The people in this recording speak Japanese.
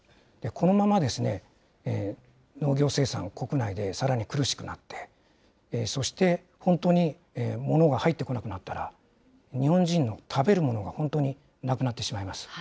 このまま、農業生産、国内でさらに苦しくなって、そして本当にものが入ってこなくなったら、日本人の食べるものが本当になくなってしまいます。